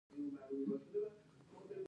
دغه عملونه د غیر ارادي اعصابو له خوا تنظیمېږي.